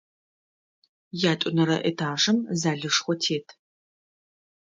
Ятӏонэрэ этажым залышхо тет.